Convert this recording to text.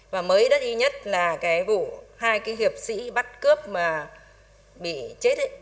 và mới đất y nhất là cái vụ hai cái hiệp sĩ bắt cướp mà bị chết ấy